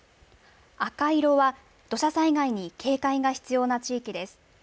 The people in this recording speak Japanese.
赤色は土砂災害に警戒が必要な地域です。